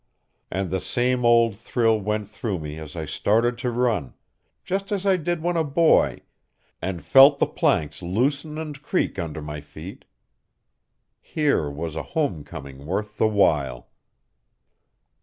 And the same old thrill went through me as I started to run just as I did when a boy and felt the planks loosen and creak under my feet. Here was a home coming worth the while.